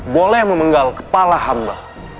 boleh memenggal kepala hamba